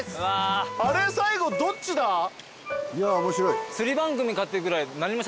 いや面白い。